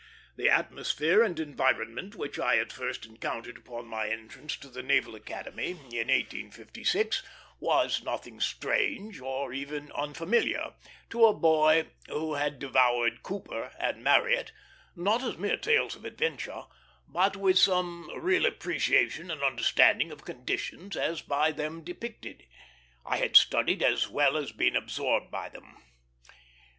The atmosphere and environment which I at first encountered upon my entrance to the Naval Academy, in 1856, had nothing strange, or even unfamiliar, to a boy who had devoured Cooper and Marryat not as mere tales of adventure, but with some real appreciation and understanding of conditions as by them depicted. I had studied, as well as been absorbed by them.